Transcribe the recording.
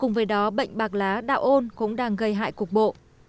cùng với đó bệnh bạc lá đạo ôn cũng đang gây hại cục bộ